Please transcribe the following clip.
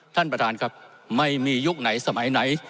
ท่านประธานครับไม่มียุคไหนสมัยไหน